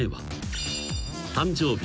［誕生日